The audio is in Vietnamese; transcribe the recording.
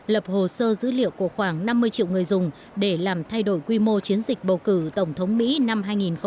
lập hồ sơ dữ liệu của khoảng năm mươi triệu người dùng để làm thay đổi quy mô chiến dịch bầu cử tổng thống mỹ năm hai nghìn một mươi sáu